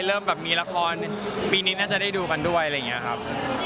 เริ่มแบบมีละครปีนี้น่าจะได้ดูกันด้วยอะไรอย่างนี้ครับ